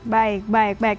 baik baik baik